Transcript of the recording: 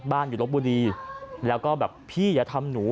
อยู่ลบบุรีแล้วก็แบบพี่อย่าทำหนู